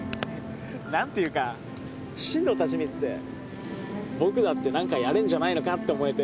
何て言うか進藤たち見てて僕だって何かやれんじゃないのかって思えて。